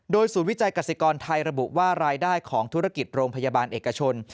ศูนย์วิจัยกษิกรไทยระบุว่ารายได้ของธุรกิจโรงพยาบาลเอกชน